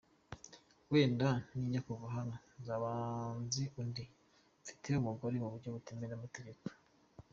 Wenda ninjya kuva hano nzaba nzi undi…Mfite umugore mu buryo butemewe n’amategeko…”.